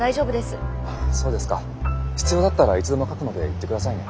必要だったらいつでも書くので言って下さいね。